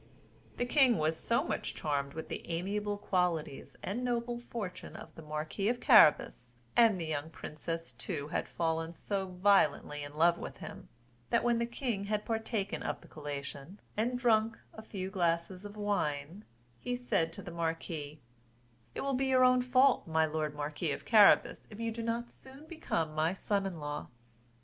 The king was so much charmed with the amiable qualities and noble fortune of the marquis of Carabas, and the young princess too had fallen so violently in love with him, that when the king had partaken of the collation, and drunk a few glasses of wine, he said to the marquis: "It will be you own fault, my lord marquis of Carabas, if you do not soon become my son in law."